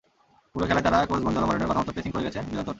পুরো খেলায় তারা কোচ গঞ্জালো মরেনোর কথামতো প্রেসিং করে গেছে নিরন্তর।